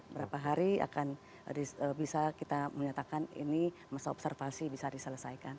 berapa hari akan bisa kita menyatakan ini masa observasi bisa diselesaikan